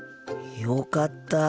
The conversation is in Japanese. よかった。